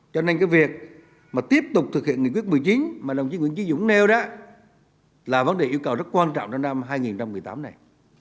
cho nên cái việc mà tiếp tục thực hiện nghị quyết một mươi chín mà đồng chí nguyễn trí dũng nêu đó là vấn đề yêu cầu rất quan trọng trong năm hai nghìn một mươi tám này